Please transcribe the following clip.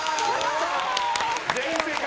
全員正解。